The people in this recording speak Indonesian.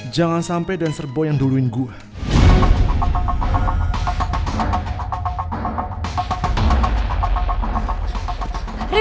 jangan sampai dinosaurus duluan yang sampai ke michelle